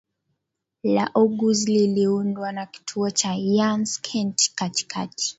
la Oguz liliundwa na kituo cha Yanskent Katikati